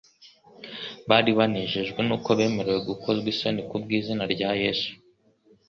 bari «banejejwe nuko bemerewe gukozwa isoni kubw'izina rya Yesu.'»